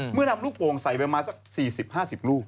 เมื่อนำลูกโปรงใส่ไปมาสัก๔๐๕๐ลูก